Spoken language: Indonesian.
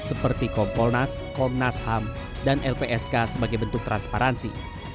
seperti kompolnas komnasham dan lpsk sebagai bentuk transparansi